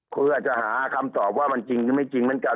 คืออาจจะหาคำตอบว่ามันจริงหรือไม่จริงเหมือนกัน